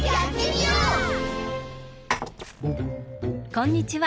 こんにちは。